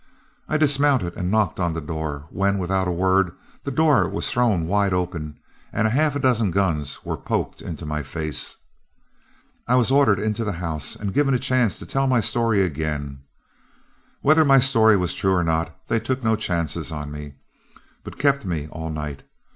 I dismounted and knocked on the door, when, without a word, the door was thrown wide open and a half dozen guns were poked into my face. I was ordered into the house and given a chance to tell my story again. Whether my story was true or not, they took no chances on me, but kept me all night.